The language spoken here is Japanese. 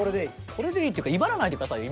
「これでいい」っていうか威張らないでくださいよ